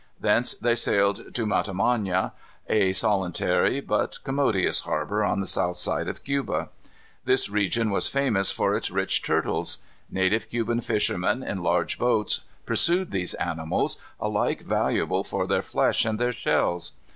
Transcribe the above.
Thence they sailed to Matamana, a solitary but commodious harbor on the south side of Cuba. This region was famous for its rich turtles. Native Cuban fishermen, in large boats, pursued these animals, alike valuable for their flesh and their shells.